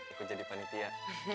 ikut jadi panitia